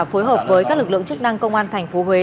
phối hợp với các lực lượng chức năng công an thành phố huế